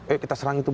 eh kita serang itu